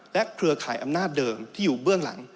เครือข่ายอำนาจเดิมที่อยู่เบื้องหลัง